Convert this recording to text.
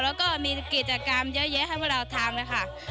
แล้วก็มีกิจกรรมเยอะให้เราทำค่ะ